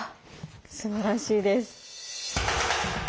すばらしいです。